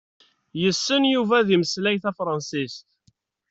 Yessen Yuba ad yemmeslay s tefransist.